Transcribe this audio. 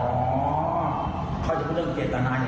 ก็เจตนาดีไงกูขอบกำหนดละพอ